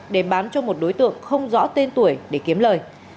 để bán cho một đối tượng không rõ tên tuổi để kiếm lời